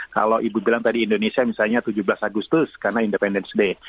kalau ibu bilang tadi indonesia misalnya tujuh belas agustus karena independent day